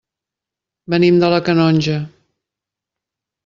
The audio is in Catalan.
Venim de la Canonja.